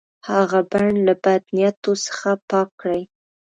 هغه بڼ له بد نیتو څخه پاک کړي.